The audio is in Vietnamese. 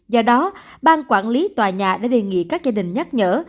do đó bang quản lý tòa nhà đã đề nghị các gia đình nhắc nhở